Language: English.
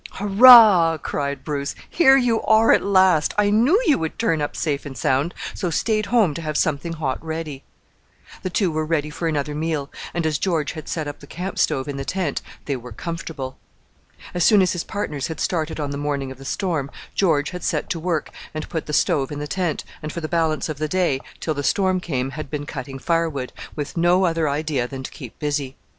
"Hurrah!" cried Bruce, "here you are at last; I knew you would turn up safe and sound, so stayed home to have something hot ready." The two were ready for another meal; and as George had set up the camp stove in the tent they were comfortable. As soon as his partners had started on the morning of the storm, George had set to work and put up the stove in the tent, and for the balance of the day, till the storm came, had been cutting firewood with no other idea than to keep busy.